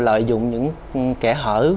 lợi dụng những kẻ hở